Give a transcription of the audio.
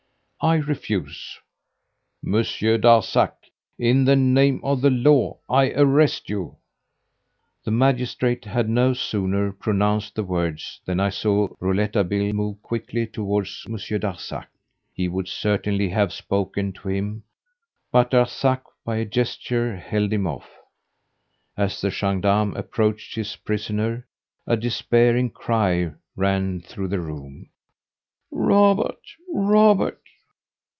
"I refuse." "Monsieur Darzac! in the name of the law, I arrest you!" The magistrate had no sooner pronounced the words than I saw Rouletabille move quickly towards Monsieur Darzac. He would certainly have spoken to him, but Darzac, by a gesture, held him off. As the gendarme approached his prisoner, a despairing cry rang through the room: "Robert! Robert!"